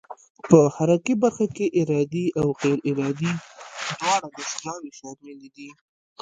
په حرکي برخه کې ارادي او غیر ارادي دواړه دستګاوې شاملې دي.